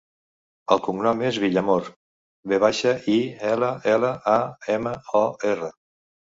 El cognom és Villamor: ve baixa, i, ela, ela, a, ema, o, erra.